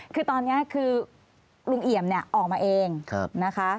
คือตอนนี้คือลุงเหยียมออกมาเองนะคะ